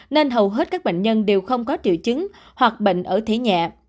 nên hầu hết các bệnh nhân đều không có triệu chứng hoặc bệnh ở thể nhẹ